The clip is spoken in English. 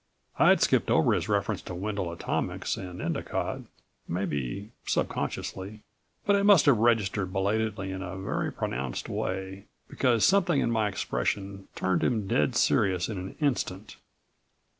I'd skipped over his reference to Wendel Atomics and Endicott, maybe subconsciously, but it must have registered belatedly in a very pronounced way, because something in my expression turned him dead serious in an instant.